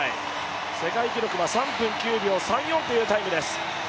世界記録は３分９秒３４というタイムです。